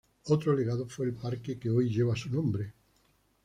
Otro legado fue el parque que hoy lleva su nombre.